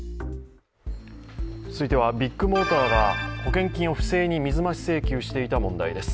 続いてはビッグモーターが保険金を不正に水増し請求していた問題です。